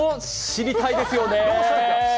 知りたいですよね。